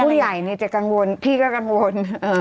ผู้ใหญ่จะกังวลพี่ก็กังวล